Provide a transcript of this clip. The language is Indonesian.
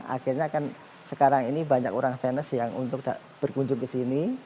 akhirnya kan sekarang ini banyak orang sains yang untuk berkunjung ke sini